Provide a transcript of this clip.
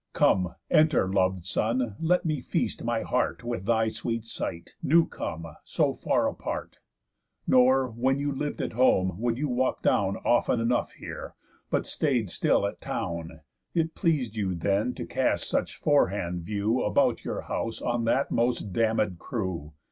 Come, enter, lov'd son, let me feast my heart With thy sweet sight, new come, so far apart. Nor, when you liv'd at home, would you walk down Often enough here, but stay'd still at town; It pleas'd you then to cast such forehand view About your house on that most damnéd crew."